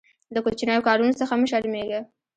له کوچنیو کارونو څخه مه شرمېږه.